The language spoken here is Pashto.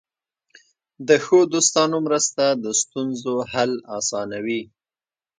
د ښو دوستانو مرسته د ستونزو حل اسانوي.